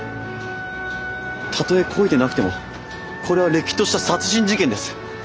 たとえ故意でなくてもこれはれっきとした殺人事件です。